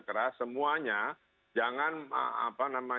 keras semuanya jangan